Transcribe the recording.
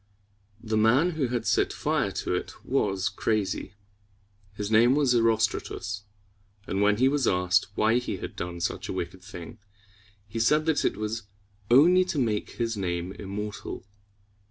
The man who had set fire to it was crazy. His name was E ros´tra tus; and when he was asked why he had done such a wicked thing, he said that it was only to make his name immortal.